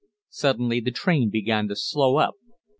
Suddenly the train began to slow up.